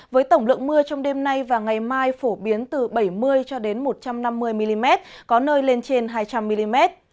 với tổng lượng mưa trong đêm nay và ngày mai phổ biến từ bảy mươi cho đến một trăm năm mươi mm có nơi lên trên hai trăm linh mm